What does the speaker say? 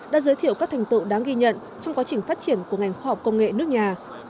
đã giới thiệu các thành tựu đáng ghi nhận trong quá trình phát triển của ngành khoa học công nghệ nước nhà